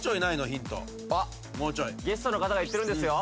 ヒントあっゲストの方が言ってるんですよ